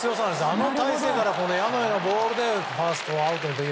あの体勢から矢のようなボールでファーストアウトと。